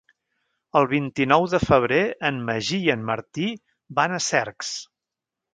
El vint-i-nou de febrer en Magí i en Martí van a Cercs.